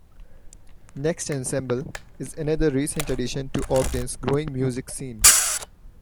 NextEnsemble is another recent addition to Ogden's growing music scene.